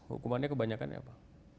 hukumannya kebanyakan apa